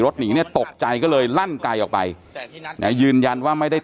หนีเนี่ยตกใจก็เลยลั่นไกลออกไปนะยืนยันว่าไม่ได้